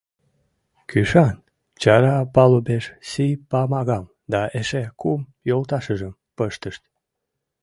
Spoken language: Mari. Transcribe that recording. Кӱшан, чара палубеш Си-Памагам да эше кум йолташыжым пыштышт.